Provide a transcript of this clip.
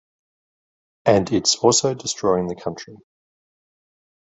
And its also destroying the country.